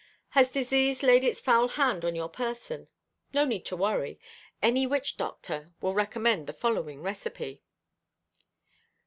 Has disease laid its foul hand on your person? No need to worry; any witch doctor will recommend the following recipe.